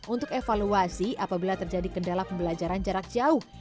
untuk evaluasi apabila terjadi kendala pembelajaran jarak jauh